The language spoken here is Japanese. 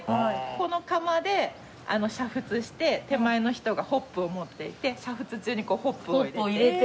この窯で煮沸して手前の人がホップを持っていて煮沸中にこうホップを入れて。